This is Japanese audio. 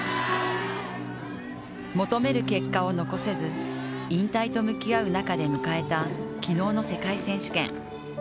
求める結果を残せず、引退と向き合う中で迎えた昨日の世界選手権。